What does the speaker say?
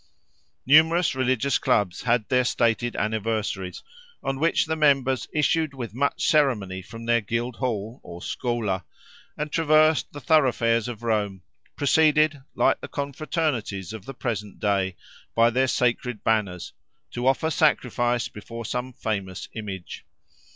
Numerous religious clubs had their stated anniversaries, on which the members issued with much ceremony from their guild hall, or schola, and traversed the thoroughfares of Rome, preceded, like the confraternities of the present day, by their sacred banners, to offer sacrifice before some famous image.